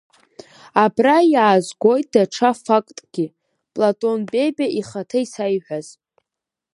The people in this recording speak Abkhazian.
Абра иаазгоит даҽа фактгьы Платон Бебиа ихаҭа исаиҳәаз…